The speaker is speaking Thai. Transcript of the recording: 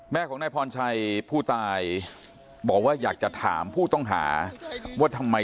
แม่ของนายพรชัยผู้ตายบอกว่าอยากจะถามผู้ต้องหาว่าทำไม